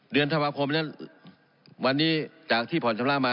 เดือนเทพาะพรมเนี่ยวันนี้จากที่ผ่อนชำระมา